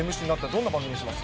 どんな番組にします。